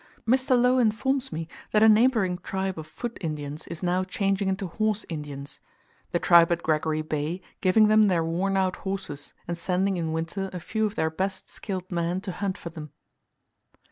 Mr. Low informs me, that a neighbouring tribe of foot Indians is now changing into horse Indians: the tribe at Gregory Bay giving them their worn out horses, and sending in winter a few of their best skilled men to hunt for them.